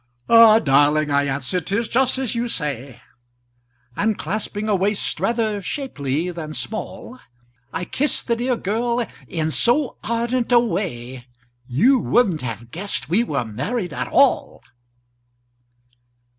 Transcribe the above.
"Ah! darling," I answered, "'tis just as you say;" And clasping a waist rather shapely than small, I kissed the dear girl in so ardent a way You wouldn't have guessed we were married at all!